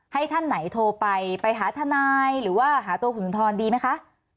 ให้ท่านไหนโทรไปไปหาทนายหรือว่าหาตัวคุณสุนทรดีไหมคะ